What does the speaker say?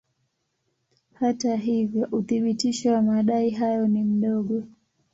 Hata hivyo uthibitisho wa madai hayo ni mdogo.